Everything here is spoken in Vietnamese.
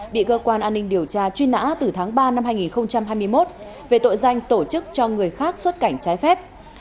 bị cơ quan an ninh điều tra truy nã từ tháng ba năm hai nghìn hai mươi một về tội danh tổ chức cho người khác xuất cảnh trái phép